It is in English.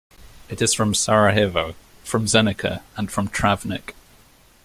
It is from Sarajevo, from Zenica, and from Travnik.